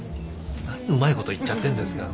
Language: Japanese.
何うまいこと言っちゃってんですか。